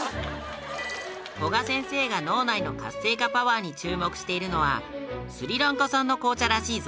古賀先生が脳内の活性化パワーに注目しているのはスリランカ産の紅茶らしいぞ。